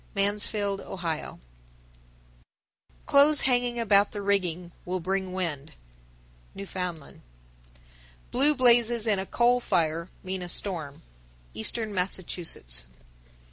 Mansfield, O. 1053. Clothes hanging about the rigging will bring wind. Newfoundland. 1054. Blue blazes in a coal fire mean a storm. _Eastern Massachusetts.